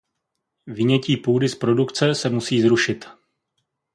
Vynětí půdy z produkce se musí zrušit.